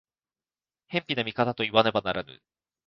偏頗な見方といわねばならぬ。